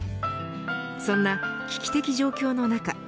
そんな危機的状況の中